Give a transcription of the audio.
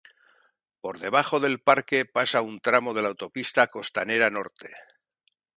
Por debajo del parque pasa un tramo de la autopista Costanera Norte.